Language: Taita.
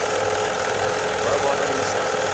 W'aw'adwa ni isama.